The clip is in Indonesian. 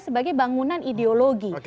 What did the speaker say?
sebagai bangunan ideologi